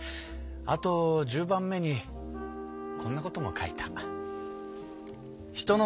あと１０番目にこんなことも書いた。